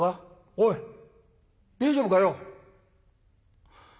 おい大丈夫かよ」。